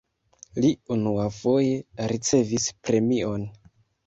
Li unuafoje ricevis premion.